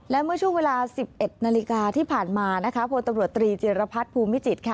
และเมื่อช่วงเวลา๑๑นาฬิกาที่ผ่านมานะคะพลตำรวจตรีจิรพัฒน์ภูมิจิตค่ะ